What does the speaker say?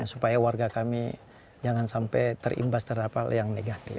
supaya warga kami jangan sampai terimbas terdapat yang negatif